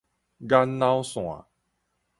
眼腦線